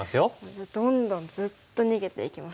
じゃあどんどんずっと逃げていきます。